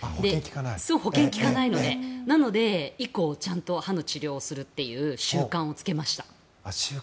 保険が利かないのでなので、以降ちゃんと歯の健診をするという習慣をつけました。